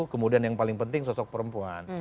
kemudian yang paling penting sosok perempuan